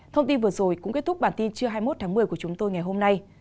thông tin vừa rồi cũng kết thúc bản tin trưa hai mươi một tháng một mươi của chúng tôi ngày hôm nay